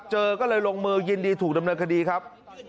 ก็เลยลงมือยินดีถูกดำเนินคดีครับ